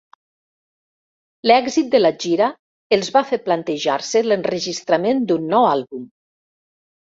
L'èxit de la gira els va fer plantejar-se l'enregistrament d'un nou àlbum.